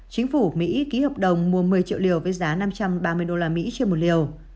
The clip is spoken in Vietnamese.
chính phủ mỹ ký hợp đồng mua một mươi triệu liều với giá năm trăm ba mươi usd trên một liều